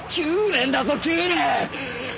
９年だぞ９年！